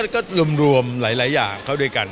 ก็รวมหลายอย่างเข้าด้วยกัน